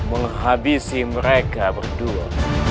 menghabisi mereka berdua